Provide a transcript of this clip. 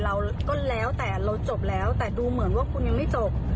เราก็แล้วแต่เราจบแล้วแต่ดูเหมือนว่าคุณยังไม่จบ